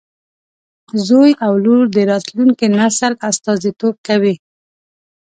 زوی او لور د راتلونکي نسل استازیتوب کوي.